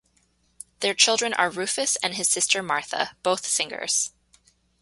Their children are Rufus and his sister Martha, both singers.